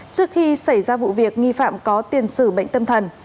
trước khi xảy ra vụ việc nghi phạm có tiền sử bệnh tâm thần